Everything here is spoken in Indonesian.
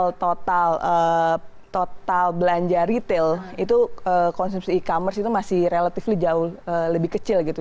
kalau kita lihat kan dari sisi total total belanja retail itu konsumsi e commerce itu masih relatif jauh lebih kecil gitu